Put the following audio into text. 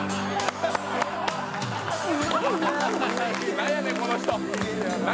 何やねん、この人。